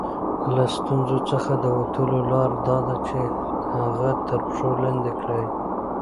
له ستونزو څخه د وتلو لاره دا ده چې هغه تر پښو لاندې کړئ.